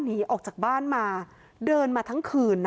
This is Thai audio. แต่ในคลิปนี้มันก็ยังไม่ชัดนะว่ามีคนอื่นนอกจากเจ๊กั้งกับน้องฟ้าหรือเปล่าเนอะ